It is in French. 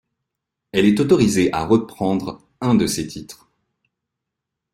Elle est autorisée à reprendre un de ses titres.